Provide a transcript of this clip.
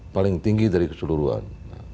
paling tinggi dari keseluruhan